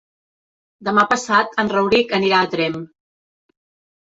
Demà passat en Rauric anirà a Tremp.